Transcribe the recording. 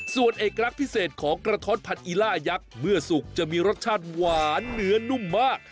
ส่วนเอกลักษณ์พิเศษของกระท้อนผัดอีล่ายักษ์เมื่อสุกจะมีรสชาติหวานเนื้อนุ่มมาก